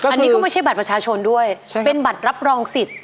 อันนี้ก็ไม่ใช่บัตรประชาชนด้วยเป็นบัตรรับรองสิทธิ์